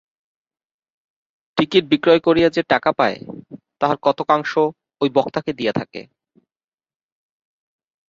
Ticket বিক্রয় করিয়া যে টাকা পায়, তাহার কতকাংশ ঐ বক্তাকে দিয়া থাকে।